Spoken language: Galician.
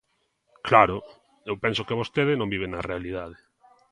¡Claro!, eu penso que vostede non vive na realidade.